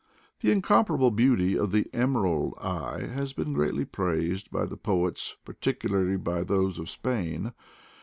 The incomparable beauty of the "emerald eye" has been greatly praised by the poets, particularly by those of Spain.